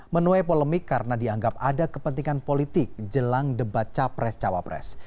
menuai polemik karena dianggap ada kepentingan politik jelang debat capres cawapres